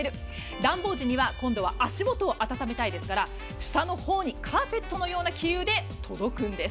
暖房時には今度は足元を温めたいですから下のほうにカーペットのような気流で届くんです。